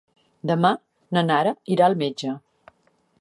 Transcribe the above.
Demà na Nara irà al metge.